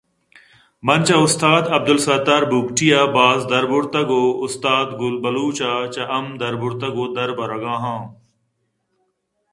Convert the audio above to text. من چہ استاد ابدلستار بگٹی ءَ باز دربرتگ ءُ استاد گل بلوچ ءَ چہ ھم دربرتگ ءُ دربرگ ءَ آ